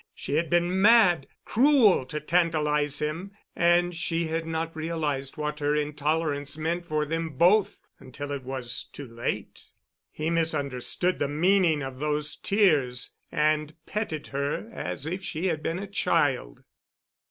She had been mad—cruel to tantalize him—and she had not realized what her intolerance meant for them both until it was too late. He misunderstood the meaning of those tears and petted her as if she had been a child.